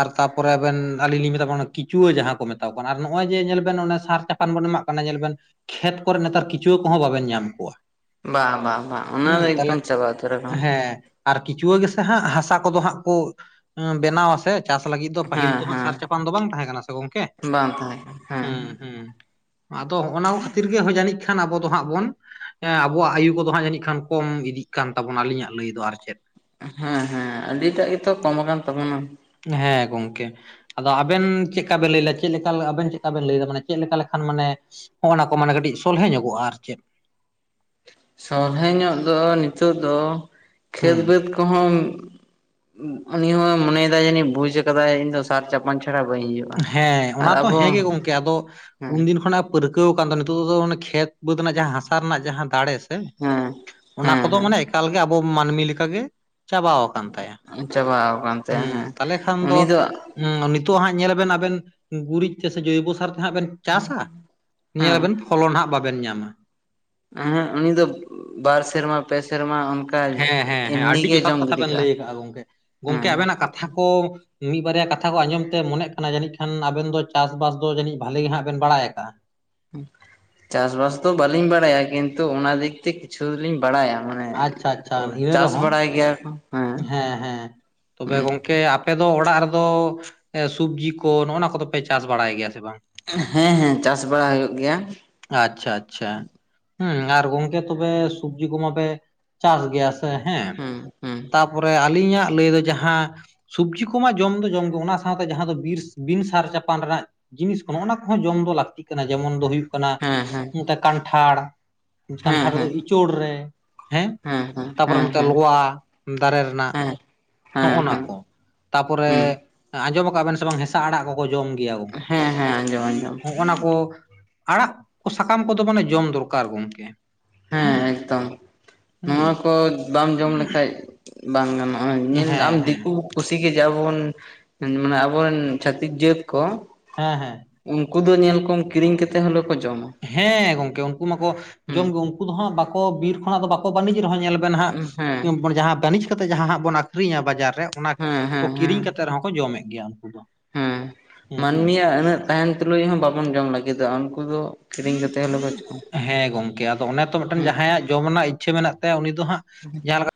ᱟᱨ ᱛᱟᱯᱚᱨᱮ ᱟᱵᱮᱱ ᱟᱞᱤᱧ ᱞᱤᱧ ᱢᱮᱛᱟ ᱵᱱᱟ ᱠᱤᱪᱩᱣᱟᱹ ᱡᱟᱦᱟᱸ ᱠᱚ ᱢᱮᱛᱟ ᱠᱚ ᱠᱟᱱᱟ ᱟᱨ ᱱᱚᱜ-ᱚᱭ ᱡᱮ ᱧᱮᱞ ᱵᱮᱱ ᱥᱟᱨ ᱪᱟᱯ ᱯᱟᱱ ᱵᱚᱱ ᱮᱢᱟᱜ ᱠᱟᱱᱟ ᱧᱮᱞ ᱵᱮᱱ ᱠᱷᱮᱛ ᱠᱚᱨᱮ ᱱᱮᱛᱟᱨ ᱠᱤᱪᱩᱣᱟᱹ ᱠᱚᱦᱚᱸ ᱵᱟᱵᱮᱱ ᱧᱟᱢ ᱠᱚᱣᱟ᱾ ᱵᱟ ᱵᱟ ᱵᱟ ᱚᱱᱟ ᱦᱩᱸ ᱫᱚ ᱛᱟᱦᱚᱞᱮ ᱮᱠᱫᱚᱢ ᱪᱟᱵᱟ ᱩᱛᱟᱹᱨ ᱟᱠᱟᱱᱟ᱾ ᱦᱮᱸ ᱟᱨ ᱠᱤᱪᱩᱣᱟᱹ ᱜᱮᱥᱮ ᱦᱟᱸᱜ ᱦᱟᱥᱟ ᱠᱚᱫᱚ ᱦᱟᱸᱜ ᱠᱚ ᱵᱮᱱᱟᱣᱟ ᱥᱮ᱾ ᱪᱟᱥ ᱞᱟᱹᱜᱤᱫ ᱫᱚ ᱯᱟᱹᱦᱤᱞ ᱦᱮᱸ ᱛᱚ ᱦᱟᱸᱜ ᱥᱟᱨ ᱦᱮᱸ ᱪᱟᱯᱟᱱ ᱫᱚ ᱵᱟᱝ ᱛᱟᱦᱮᱸ ᱠᱟᱱᱟ ᱥᱮ ᱜᱚᱝᱠᱮ ᱵᱟᱝ ᱛᱟᱦᱮᱸ ᱠᱟᱱᱟ ᱦᱮᱸ ᱦᱮᱸ ᱦᱩᱸ ᱦᱩᱸ ᱟᱫᱚ ᱦᱚᱜᱚᱱᱟ ᱠᱷᱟᱹᱛᱤᱨ ᱜᱮ ᱦᱚᱭ ᱡᱟᱹᱱᱤᱡ ᱠᱷᱟᱱ ᱟᱵᱚ ᱫᱚ ᱦᱟᱸᱜ ᱵᱚᱱ ᱮ ᱟᱵᱚᱣᱟᱜ ᱟᱭᱩ ᱠᱚᱫᱚ ᱦᱟᱸᱜ ᱡᱟᱹᱱᱤᱡ ᱠᱷᱟᱱ ᱠᱚᱢ ᱤᱫᱤᱜ ᱠᱟᱱ ᱛᱟᱵᱚᱱᱟ ᱟᱹᱞᱤᱧᱟᱜ ᱞᱟᱹᱭ ᱫᱚ ᱟᱨ ᱪᱮᱫ᱾ ᱦᱮᱸ ᱦᱮᱸ ᱟᱹᱰᱤᱴᱟᱜ ᱜᱮᱛᱚ ᱠᱚᱢ ᱟᱠᱟᱱ ᱛᱟᱵᱚᱱᱟ᱾ ᱦᱮᱸ ᱜᱚᱝᱠᱮ ᱟᱫᱚ ᱟᱵᱮᱱ ᱪᱮᱜ ᱠᱟ ᱵᱮᱱ ᱞᱟᱹᱭ ᱞᱮ ᱟ ᱪᱮᱫ ᱞᱮᱠᱟ ᱟᱵᱮᱱ ᱪᱮᱫ ᱞᱮᱠᱟ ᱵᱮᱱ ᱞᱟᱹᱭᱟ ᱢᱟᱱᱮ ᱪᱮᱫ ᱞᱮᱠᱟ ᱞᱮᱠᱷᱟᱱ ᱢᱟᱱᱮ ᱦᱚᱜᱚᱱᱟ ᱠᱚ ᱢᱟᱱᱮ ᱠᱟᱹᱴᱤᱡ ᱥᱚᱞᱦᱮ ᱧᱚᱜᱚᱜ-ᱟ ᱟᱨ ᱪᱮᱫ ᱥᱚᱞᱦᱮ ᱧᱚᱜ ᱫᱚ ᱱᱤᱛᱚᱜ ᱫᱚ ᱠᱷᱮᱛ ᱦᱩᱸ ᱵᱟᱹᱫᱽ ᱠᱚᱦᱚᱸ ᱩᱱᱤᱦᱚᱸᱭ ᱢᱚᱱᱮᱭ ᱫᱟᱭ ᱡᱟᱹᱱᱤᱡ ᱵᱩᱡ ᱟᱠᱟᱫᱟᱭ ᱤᱧ ᱫᱚ ᱥᱟᱨ ᱪᱟᱯᱟᱱ ᱪᱷᱟᱲᱟ ᱵᱟᱹᱧ ᱦᱩᱭᱩᱜ ᱦᱮᱸ ᱚᱱᱟ ᱛᱚ ᱦᱮᱸ ᱜᱮ ᱜᱚᱝᱠᱮ ᱟᱫᱚ ᱦᱮᱸ ᱩᱱᱫᱤᱱ ᱠᱷᱚᱱᱟᱜ ᱯᱟᱹᱨᱠᱟᱹᱣ ᱠᱟᱱ ᱫᱚ ᱱᱤᱛᱚᱜ ᱫᱚ ᱚᱱᱮ ᱠᱷᱮᱛ ᱵᱟᱹᱫᱽ ᱨᱮᱱᱟᱜ ᱡᱟᱦᱟᱸ ᱦᱟᱥᱟ ᱨᱮᱱᱟᱜ ᱡᱟᱦᱟᱸ ᱫᱟᱲᱮᱥ ᱮ ᱦᱮᱸ ᱚᱱᱟ ᱠᱚᱫᱚ ᱦᱮᱸ ᱢᱟᱱᱮ ᱮᱠᱟᱞᱜᱮ ᱟᱵᱚ ᱢᱟᱱᱢᱤ ᱞᱮᱠᱟ ᱜᱮ ᱪᱟᱵᱟᱣ ᱟᱠᱟᱱ ᱛᱟᱭᱟ᱾ ᱪᱟᱵᱟᱣ ᱠᱟᱱ ᱛᱟᱭᱟ ᱦᱮᱸ ᱦᱩᱸ ᱛᱟᱦᱚᱞᱮ ᱠᱷᱟᱱ ᱩᱱᱤ ᱫᱚ ᱱᱤᱛᱚᱜ ᱦᱟᱸᱜ ᱧᱮᱞ ᱵᱮᱱ ᱟᱵᱮᱱ ᱜᱩᱨᱤᱡ ᱛᱮ ᱥᱮ ᱡᱚᱭᱵᱚ ᱥᱟᱨ ᱛᱮ ᱦᱟᱸᱜ ᱵᱮᱱ ᱪᱟᱥᱟ ᱦᱮᱸ ᱧᱮᱞᱟᱵᱮᱱ ᱯᱷᱚᱞᱚᱱ ᱦᱟᱸᱜ ᱵᱟᱵᱮᱱ ᱧᱟᱢᱟ᱾ ᱮᱦᱮᱜ ᱩᱱᱤ ᱫᱚ ᱵᱟᱨ ᱥᱮᱨᱢᱟ ᱯᱮ ᱥᱮᱨᱢᱟ ᱚᱱᱠ ᱦᱮᱸ ᱦᱮᱸ ᱦᱮᱸ ᱟᱹᱰᱤ ᱡᱚᱛᱷᱟᱛ ᱠᱟᱛᱷᱟ ᱵᱮᱱ ᱞᱟᱹᱭ ᱟᱠᱟᱜ-ᱟ ᱜᱚᱝᱠᱮ, ᱜᱚᱝᱠᱮ ᱦᱮᱸ ᱟᱵᱮᱱᱟᱜ ᱠᱟᱛᱷᱟ ᱠᱚ ᱢᱤᱫ ᱵᱟᱨᱭᱟ ᱠᱟᱛᱷᱟ ᱠᱚ ᱟᱸᱡᱚᱢ ᱛᱮ ᱢᱚᱱᱮᱜ ᱠᱟᱱᱟ ᱡᱟᱹᱱᱤᱡ ᱠᱷᱟᱱ ᱟᱵᱮᱱ ᱫᱚ ᱪᱟᱥ-ᱵᱟᱥ ᱫᱚ ᱡᱟᱹᱱᱤᱡ ᱵᱷᱟᱞᱤ ᱜᱮ ᱦᱟᱸᱜ ᱵᱮᱱ ᱵᱟᱲᱟᱭ ᱟᱠᱟᱜ-ᱟ᱾ ᱪᱟᱥᱵᱟᱥ ᱫᱚ ᱵᱟᱞᱤᱧ ᱵᱟᱲᱟᱭᱟ ᱠᱤᱱᱛᱩ ᱚᱱᱟ ᱫᱤᱠ ᱛᱮ ᱠᱤᱪᱷᱩ ᱫᱩᱞᱤᱧ ᱵᱟᱲᱟᱭᱟ ᱦᱮᱸ ᱟᱪᱪᱷᱟ ᱟᱪᱪᱷᱟ ᱚᱭ ᱤᱱᱟᱹ ᱪᱟᱥ ᱨᱮᱦᱚᱸ ᱵᱟᱲᱟᱭ ᱜᱮᱭᱟ ᱠᱚ ᱦᱮᱸ ᱦᱮᱸ ᱛᱚᱵᱮ ᱦᱩᱸ ᱜᱚᱝᱠᱮ ᱟᱯ ᱟᱯᱮ ᱫᱚ ᱚᱲᱟᱜ ᱨᱮᱫᱚ ᱥᱩᱵᱽᱡᱤ ᱠᱚ ᱱᱚᱜᱚ ᱱᱟ ᱠᱚᱫᱚ ᱯᱮ ᱪᱟᱥ ᱵᱟᱲᱟᱭ ᱜᱮᱭᱟ ᱥᱮ ᱵᱟᱝ? ᱦᱮᱸ ᱦᱮᱸ ᱪᱟᱥ ᱵᱟᱲᱟ ᱦᱩᱭᱩᱜ ᱜᱮᱭᱟ᱾ ᱟᱪᱪᱷᱟ ᱟᱪᱪᱷᱟ ᱦᱮᱸ ᱟᱨ ᱜᱚᱝᱠᱮ ᱛᱚᱵᱮ ᱥᱩᱵᱡᱤ ᱠᱚᱢᱟ ᱯᱮ ᱪᱟᱥ ᱜᱮᱭᱟ ᱥᱮ ᱦᱮᱸ? ᱦᱩᱸ ᱦᱩᱸ ᱛᱟᱨᱯᱚᱨᱮ ᱟᱹᱞᱤᱧᱟᱜ ᱞᱟᱹᱭ ᱫᱚ ᱡᱟᱦᱟᱸ ᱥᱩᱵᱽᱯᱡᱤ ᱠᱚᱢᱟ ᱡᱚᱢ ᱫᱚ ᱡᱚᱢ ᱜᱮ ᱚᱱᱟ ᱥᱟᱶᱛᱮ ᱡᱟᱦᱟᱸ ᱫᱚ ᱵᱤᱨ ᱵᱤᱱ ᱥᱟᱨ ᱪᱟᱯᱟᱱ ᱨᱮᱱᱟᱜ ᱡᱤᱱᱤᱥ ᱠᱚ ᱱᱚᱜᱚ ᱱᱟ ᱠᱚᱦᱚᱸ ᱡᱚᱢ ᱫᱚ ᱞᱟᱹᱠᱛᱤᱜ ᱠᱟᱱᱟ ᱡᱮᱢᱚᱱ ᱫᱚ ᱦᱩᱭᱩᱜ ᱠᱟᱱᱟ ᱦᱮᱸ ᱦᱮᱸ ᱱᱚᱛᱮ ᱠᱟᱱᱴᱷᱟᱲ ᱦᱮᱸ ᱠᱟᱱᱴᱷᱟᱲ ᱨᱮ ᱫᱚ ᱦᱮᱸ ᱤᱪᱚᱲ ᱨᱮ, ᱦᱮᱸ ᱦᱮᱸ ᱛᱟᱯᱚᱨᱮ ᱦᱮᱸ ᱱᱚᱛᱮ ᱞᱚᱣᱟ, ᱫᱟᱨᱮ ᱨᱮᱱᱟᱜ ᱦᱮᱸ ᱦᱮᱸ ᱦᱮᱸ ᱱᱚᱜᱚ ᱱᱚᱣᱟ ᱦᱮᱸ ᱠᱚ ᱛᱟᱯᱚᱨᱮ ᱦᱩᱸ ᱟᱸᱡᱚᱢ ᱟᱠᱟᱜ ᱵᱮᱱ ᱦᱮᱥᱮ ᱵᱟᱝ ᱦᱮᱥ ᱦᱛᱟ ᱟᱲᱟᱜ ᱠᱚᱠᱚ ᱡᱚᱢ ᱜᱮᱭᱟ ᱜᱚᱝᱠᱮ᱾ ᱦᱮᱸ ᱦᱮᱸ ᱟᱸᱡᱚᱢ ᱟᱸᱡᱚᱢ ᱱᱚᱜᱚ ᱱᱟ ᱠᱚ ᱟᱲᱟᱜ ᱠᱚ ᱥᱟᱠᱟᱢ ᱠᱚᱫᱚ ᱢᱟᱱᱮ ᱡᱚᱢ ᱫᱚᱨᱠᱟᱨ ᱜᱚᱝᱠᱮ᱾ ᱦᱮᱸ ᱮᱠᱫᱚᱢ, ᱦᱮᱸ ᱱᱚᱣᱟ ᱠᱚ ᱵᱟᱢ ᱡᱚᱢ ᱞᱮᱠᱷᱟᱡ ᱵᱟᱝ ᱜᱟᱱᱚᱜᱼᱟ, ᱦᱮᱸ ᱧᱮᱞ ᱟᱢ ᱦᱮᱸ ᱫᱤᱠᱩ ᱯᱩᱥᱤ ᱜᱮ ᱡᱟ ᱵᱚᱱ, ᱢᱟᱱᱮ ᱟᱵᱚᱨᱮᱱ ᱪᱷᱟᱹᱛᱤᱠ ᱡᱟᱹᱛ ᱠᱚ ᱦᱮᱸ ᱦᱮᱸ᱾ ᱩᱱᱠᱩ ᱫᱚ ᱧᱮᱞ ᱠᱚᱢ ᱠᱤᱨᱤᱧ ᱠᱟᱛᱮᱫ ᱦᱚᱞᱮ ᱠᱚ ᱡᱚᱢᱟ᱾ ᱦᱮᱸ ᱜᱚᱝᱠᱮ ᱩᱱᱠᱩ ᱢᱟᱠᱚ ᱦᱩᱸ ᱡᱚᱢ ᱜᱮ, ᱩᱱᱠᱩ ᱫᱚ ᱦᱟᱸᱜ ᱵᱟᱠᱚ ᱵᱤᱨ ᱠᱷᱚᱱᱟᱜ ᱫᱚ ᱵᱟᱠᱚ ᱵᱟᱠᱳ ᱵᱟᱱᱤᱡᱽ ᱨᱮᱦᱚᱸ ᱧᱮᱞ ᱵᱮᱱ ᱦᱟᱸᱜ, ᱦᱮᱸ ᱦᱮᱸ ᱮᱨᱯᱚᱨ ᱡᱟᱦᱟᱸ ᱵᱟᱹᱱᱤᱡ ᱠᱟᱛᱮᱜ ᱡᱟᱦᱟᱸ ᱦᱟᱸᱜ ᱵᱚᱱ ᱟᱠᱷᱨᱤᱧᱟ ᱵᱟᱡᱟᱨ ᱨᱮ ᱚᱱᱟ ᱠᱚ ᱦᱮᱸ ᱠᱤᱨᱤᱧ ᱦᱮᱸ ᱠᱟᱛᱮᱜ ᱨᱮᱦᱚᱸ ᱠᱚ ᱡᱚᱢᱮᱫ ᱜᱮᱭᱟ᱾ ᱦᱮᱸ, ᱢᱟᱹᱱᱢᱤᱭᱼᱟᱜ ᱩᱱᱟᱹᱜ ᱛᱟᱦᱮᱱ ᱛᱩᱞᱩᱡ ᱦᱚᱸ ᱵᱟᱵᱚᱱ ᱡᱚᱢ ᱞᱟᱹᱜᱤᱫᱚᱼᱟ ᱩᱱᱠᱩ ᱫᱚ ᱠᱤᱨᱤᱧ ᱠᱟᱛᱮᱫ ᱦᱚᱞᱮ ᱠᱚ ᱡᱚᱢ᱾ ᱦᱮᱸ ᱜᱚᱝᱠᱮ, ᱟᱫᱚ ᱚᱱᱮ ᱛᱚ ᱢᱤᱫᱴᱮᱱ ᱡᱟᱸᱦᱟᱭᱟᱜ ᱡᱚᱢ ᱨᱮᱱᱟᱜ ᱤᱪᱪᱷᱟᱹ ᱢᱮᱱᱟᱜ ᱛᱟᱭᱟ ᱩᱱᱤ ᱫᱚ ᱦᱟᱸᱜ ᱡᱟᱸᱦᱟ ᱞᱮᱠᱟ